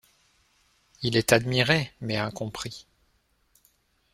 Il est admiré mais incompris.